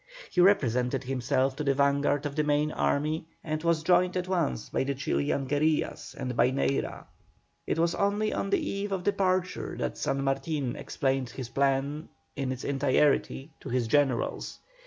He represented himself to be the vanguard of the main army, and was joined at once by the Chilian guerillas and by Neyra. It was only on the eve of departure that San Martin explained his plan in its entirety to his generals.